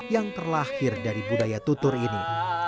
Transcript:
yang terlahir dari budaya tutur ini